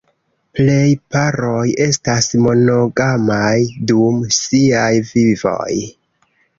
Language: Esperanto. Plej paroj estas monogamaj dum siaj vivoj.